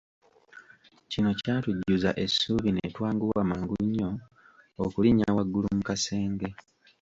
Kino kyatujjuza essuubi ne twanguwa mangu nnyo okulinnya waggulu mu kasenge.